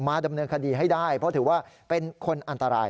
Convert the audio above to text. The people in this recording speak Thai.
ดำเนินคดีให้ได้เพราะถือว่าเป็นคนอันตราย